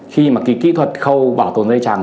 khi mà cái kỹ thuật khâu bảo tồn dây chẳng